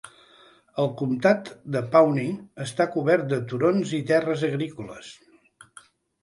El comtat de Pawnee està cobert de turons i terres agrícoles.